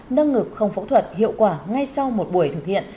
nâng ngực không phẫu thuật hiệu quả ngay sau một buổi thực hiện